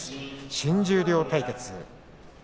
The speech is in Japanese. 新十両対決